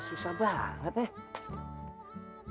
susah banget ya